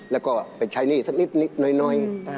แล้วก็ไปใช้หนี้สักนิดหน่อย